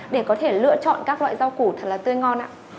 để có thể lựa chọn các loại rau củ thật là tươi ngon ạ